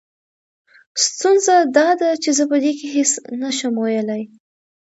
ستونزه دا ده چې زه په دې کې هېڅ نه شم ويلې.